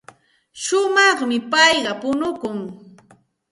Shumaqmi payqa punukun.